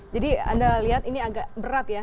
jadi anda lihat ini agak berat ya